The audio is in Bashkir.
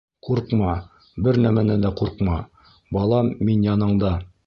Ҡурҡма, бер нәмәнән дә ҡурҡма, балам, мин яныңда.